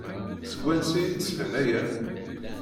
Seg wansi ay d-slan aya?